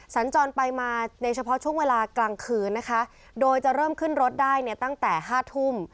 สัญจรไปมาในเฉพาะช่วงเวลากลางคืนนะคะโดยจะเริ่มขึ้นรถได้เนี่ยตั้งแต่ห้าทุ่ม